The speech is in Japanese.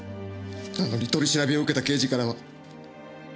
なのに取り調べを受けた刑事からは。